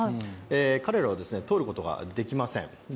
彼らは通ることができません。